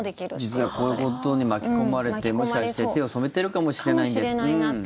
実はこういうことに巻き込まれてもしかして手を染めてるかもしれないんですと。